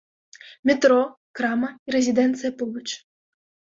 Метро, крама і рэзідэнцыя побач.